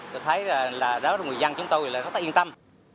tôi thấy là đó là người dân chúng tôi rất yên tâm